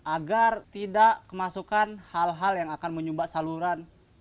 agar tidak kemasukan hal hal yang akan menyumbat saluran